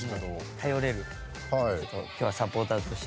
頼れるサポーターとして。